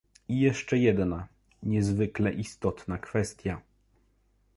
I jeszcze jedna, niezwykle istotna kwestia